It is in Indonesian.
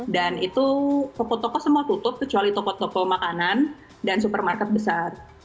dan itu toko toko semua tutup kecuali toko toko makanan dan supermarket besar